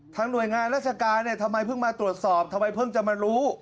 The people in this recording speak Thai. หน่วยงานราชการเนี่ยทำไมเพิ่งมาตรวจสอบทำไมเพิ่งจะมารู้